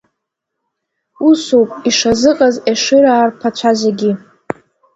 Усоуп ишазыҟаз Ешыраа рԥацәа зегьы.